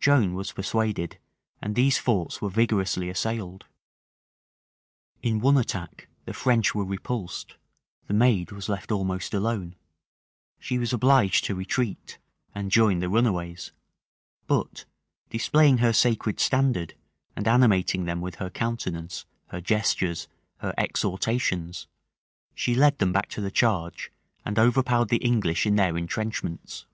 Joan was persuaded, and these forts were vigorously assailed. In one attack the French were repulsed; the maid was left almost alone; she was obliged to retreat, and join the runaways; but, displaying her sacred standard, and animating them with her countenance, her gestures, her exhortations, she led them back to the charge, and overpowered the English in their intrenchments.